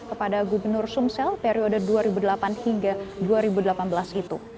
kepada gubernur sumsel periode dua ribu delapan hingga dua ribu delapan belas itu